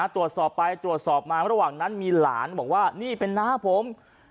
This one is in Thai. ตรวจสอบไปตรวจสอบมาระหว่างนั้นมีหลานบอกว่านี่เป็นน้าผม